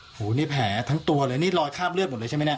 หูนี่แผลทั้งตัวเลยนี่รอยคราบเลือดหมดเลยใช่ไหมเนี่ย